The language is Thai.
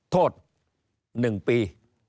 โฑหลังขึ้นหนึ่งปี